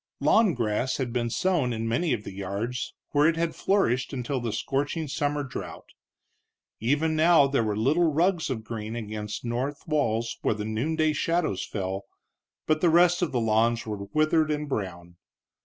Lawn grass had been sown in many of the yards, where it had flourished until the scorching summer drouth. Even now there were little rugs of green against north walls where the noonday shadows fell, but the rest of the lawns were withered and brown.